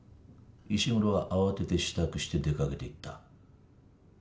石黒は慌てて支度して出かけていった。